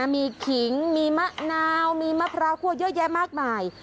มีขิงมีมะนาวมีมะพร้าวคั่วเยอะแยะมากมาย